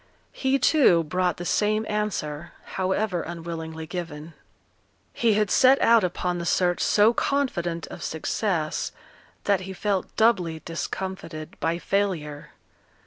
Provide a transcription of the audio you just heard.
He, too, brought the same answer, however unwillingly given. He had set out upon the search so confident of success, that he felt doubly discomfited by failure.